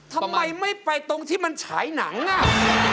ทำไมไม่ไปตรงที่มันฉายหนังอ่ะ